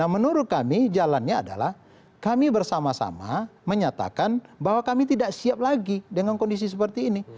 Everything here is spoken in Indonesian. menurut kami jalannya adalah kami bersama sama menyatakan bahwa kami tidak siap lagi dengan kondisi seperti ini